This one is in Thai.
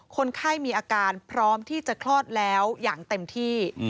คนไข้มีอาการพร้อมที่จะคลอดแล้วอย่างเต็มที่